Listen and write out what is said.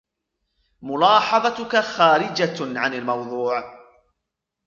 ملاحظتك خارجة عن الموضوع.